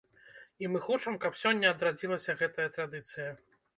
І мы хочам, каб сёння адрадзілася гэтая традыцыя.